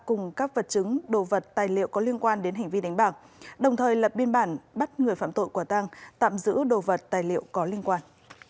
cùng các vật chứng đồ vật tài liệu có liên quan đến hành vi đánh bạc đồng thời lập biên bản bắt người phạm tội quả tăng tạm giữ đồ vật tài liệu có liên quan